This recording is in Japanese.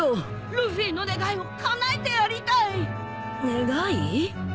ルフィの願いをかなえてやりたい！願い？